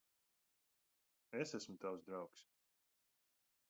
Es esmu tavs draugs.